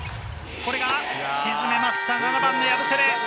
これを沈めました、７番のヤブセレ。